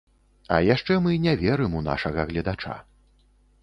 А яшчэ мы не верым у нашага гледача.